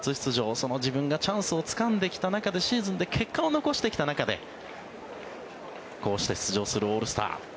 その自分がチャンスをつかんできた中でシーズンで結果を残してきた中でこうして出場するオールスター。